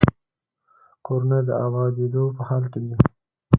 کورونه یې د ابادېدو په حال کې دي.